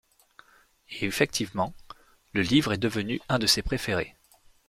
Et effectivement, le livre est devenu un de ses préférés.